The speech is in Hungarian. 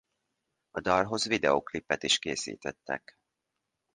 A dalhoz videóklipet is készítettek.